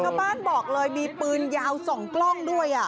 ชาวบ้านบอกเลยมีปืนยาวสองกล้องด้วย